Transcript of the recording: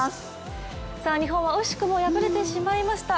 日本は惜しくも敗れてしまいました。